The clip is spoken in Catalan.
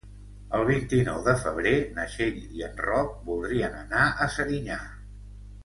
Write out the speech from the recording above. El vint-i-nou de febrer na Txell i en Roc voldrien anar a Serinyà.